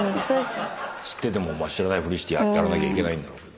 知ってても知らないふりしてやらなきゃいけないんだろうけど。